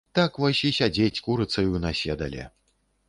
Так вось і сядзець курыцаю на седале.